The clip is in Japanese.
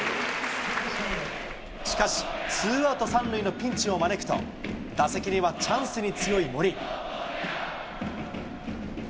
しかし、ツーアウト３塁のピンチを招くと、打席にはチャンスに強い森。